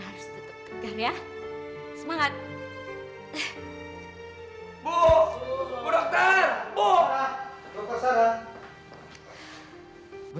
kan kakinya sudah tertutup